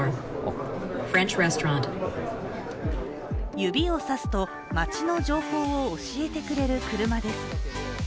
指を指すと、街の情報を教えてくれる車です。